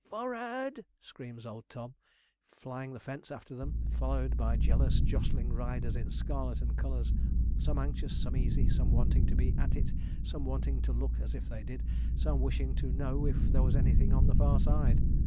'F o o r rard!' screams old Tom, flying the fence after them, followed by jealous jostling riders in scarlet and colours, some anxious, some easy, some wanting to be at it, some wanting to look as if they did, some wishing to know if there was anything on the far side.